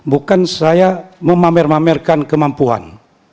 bukan saya memamer pamerkan kemampuan